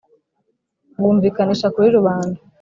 bumvikanira kuri rubanda .